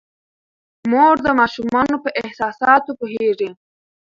مور د ماشومانو په احساساتو پوهیږي.